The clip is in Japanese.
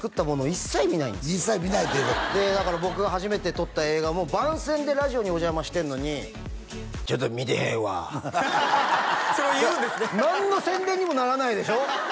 一切見ないっていうかだから僕が初めて撮った映画も番宣でラジオにお邪魔してんのに「ちょっと見てへんわ」それを言うんですね何の宣伝にもならないでしょ？